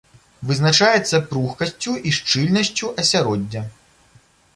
Вызначаецца пругкасцю і шчыльнасцю асяроддзя.